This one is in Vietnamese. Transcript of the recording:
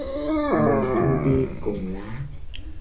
Mùa thu đi cùng lá